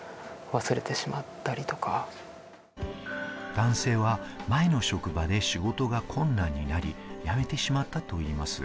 男性は前の職場で仕事が困難になり、辞めてしまったといいます。